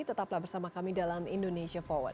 tetaplah bersama kami dalam indonesia forward